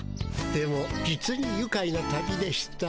でも実にゆかいな旅でした。